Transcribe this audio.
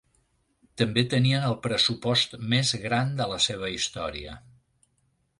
També tenien el pressupost més gran de la seva història.